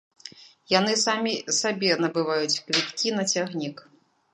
Яны самі сабе набываюць квіткі на цягнік.